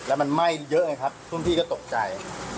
แล้วมันไหม้เยอะไงครับรุ่นพี่ก็ตกใจ